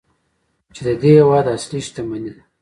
چې د دې هیواد اصلي شتمني ده.